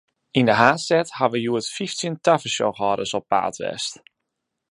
Yn de haadstêd hawwe hjoed fyftjin tafersjochhâlders op paad west.